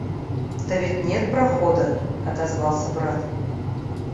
— Да ведь нет прохода, — отозвался брат.